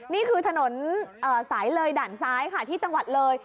นี่คือถนนสายเลยด่านซ้ายค่ะที่จังหวัดเลย